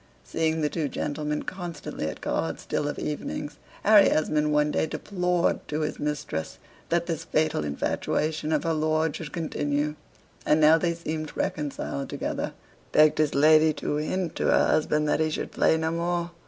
Seeing the two gentlemen constantly at cards still of evenings, Harry Esmond one day deplored to his mistress that this fatal infatuation of her lord should continue; and now they seemed reconciled together, begged his lady to hint to her husband that he should play no more.